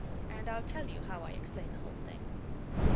And I'll tell you how I explain the whole thing.